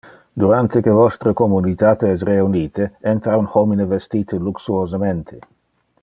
Durante que vostre communitate es reunite, entra un homine vestite luxuosemente.